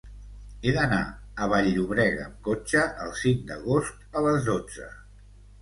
He d'anar a Vall-llobrega amb cotxe el cinc d'agost a les dotze.